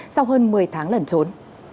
sau hơn một mươi tháng lẩn trốn